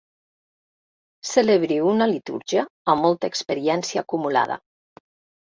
Celebri una litúrgia amb molta experiència acumulada.